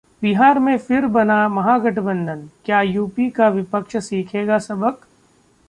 बिहार में फिर बना महागठबंधन, क्या यूपी का विपक्ष सीखेगा सबक?